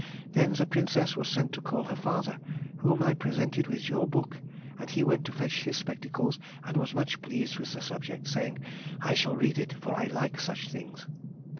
Then the Princess was sent to call her father, whom I presented with your book, and he went to fetch his spectacles, and was much pleased with the subject, saying, "I shall read it, for I like such things."